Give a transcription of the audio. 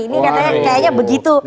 ini kayaknya begitu